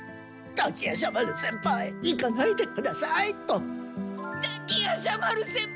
滝夜叉丸先輩行かないでください！